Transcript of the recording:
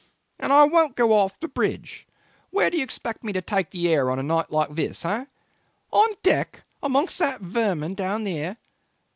And I won't go off the bridge. Where do you expect me to take the air on a night like this, eh? On deck amongst that vermin down there?